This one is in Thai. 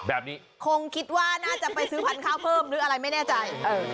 แบบนี้คงคิดว่าน่าจะไปซื้อพันธุ์ข้าวเพิ่มหรืออะไรไม่แน่ใจ